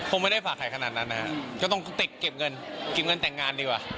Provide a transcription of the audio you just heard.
คงไม่ได้ฝากใครขนาดนั้นนะฮะก็ต้องติดเก็บเงินเก็บเงินแต่งงานดีกว่า